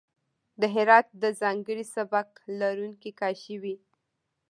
د هرات د ځانګړی سبک لرونکی کاشي وې.